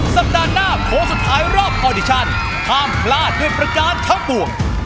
สัปดาห์หน้าโค้งสุดท้ายรอบออดิชันห้ามพลาดด้วยประการทั้งปวง